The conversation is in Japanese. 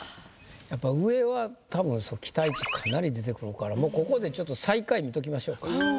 やっぱ上はたぶん期待値かなり出てくるからもうここでちょっと最下位見ときましょうか。